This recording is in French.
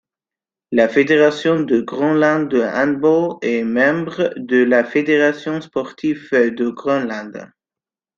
La fédération du Groenland de handball est membre de la fédération sportive du Groenland.